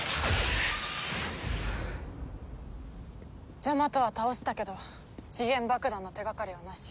ジャマトは倒したけど時限爆弾の手掛かりはなし。